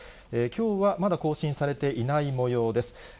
きょうは、まだ更新されていないもようです。